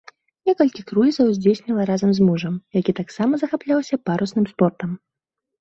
Некалькі круізаў здзейсніла разам з мужам, які таксама захапляўся парусным спортам.